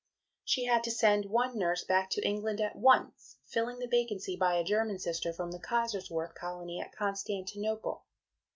She had to send one nurse back to England at once, filling the vacancy by a German Sister from the Kaiserswerth colony at Constantinople.